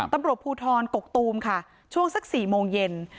ตำรวจภูทรกกตูมค่ะช่วงสัก๔โมงเย็น